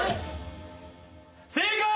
正解！